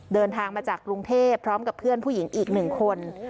เดินทางมาจากกรุงเทพพร้อมกับเพื่อนผู้หญิงอีก๑คน